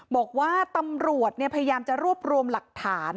บอกว่าตำรวจพยายามจะรวบรวมหลักฐาน